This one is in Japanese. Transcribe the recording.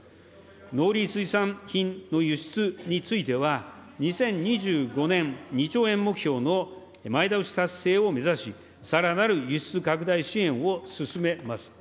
農林水産品の輸出については、２０２５年、２兆円目標の前倒し達成を目指し、さらなる輸出拡大支援を進めます。